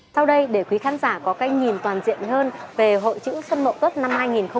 sau đây để quý khán giả có cách nhìn toàn diện hơn về hội chữ xuân mậu tuất năm hai nghìn một mươi tám